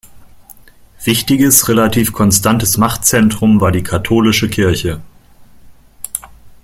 Wichtiges relativ konstantes Machtzentrum war die katholische Kirche.